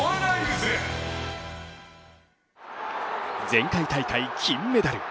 前回大会、金メダル。